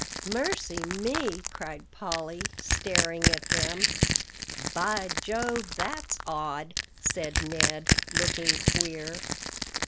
"Mercy, me!" cried Polly, staring at them. "By Jove, that's odd!" said Ned, looking queer.